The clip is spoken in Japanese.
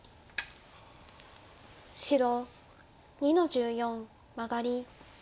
白２の十四マガリ。